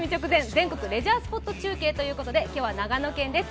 全国レジャースポット中継ということで、今日は長野県です。